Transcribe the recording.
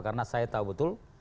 karena saya tahu betul